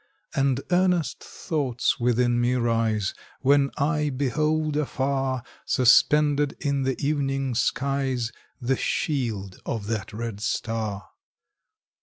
And earnest thoughts within me rise, When I behold afar, Suspended in the evening skies The shield of that red star.